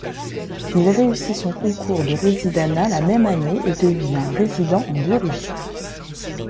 Il réussit son concours de résidanat la même année et devient résident en biologie.